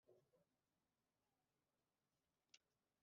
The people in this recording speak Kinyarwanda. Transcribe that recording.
Umugenzuzi wateguye inyandiko